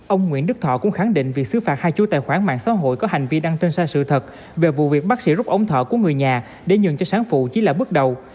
ông nguyễn đức thọ cũng khẳng định việc xứ phạt hai chú tài khoản mạng xã hội có hành vi đăng tin sai sự thật về vụ việc bác sĩ rút ống thở của người nhà để nhường cho sáng phụ chỉ là bước đầu